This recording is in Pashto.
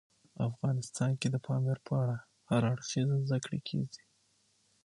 افغانستان کې د پامیر په اړه هر اړخیزه زده کړه کېږي.